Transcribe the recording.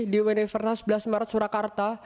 di wennifernas sebelas maret surakarta